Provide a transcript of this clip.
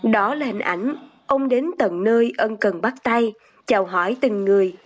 đó là hình ảnh ông đến tầng nơi ân cần bắt tay chào hỏi từng người